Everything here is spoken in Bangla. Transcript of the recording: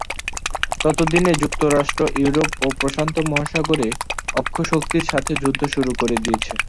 ততদিনে যুক্তরাষ্ট্র ইউরোপ ও প্রশান্ত মহাসাগরে অক্ষ শক্তির সাথে যুদ্ধ শুরু করে দিয়েছে।